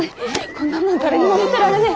こんなもん誰にも見せられねぇ。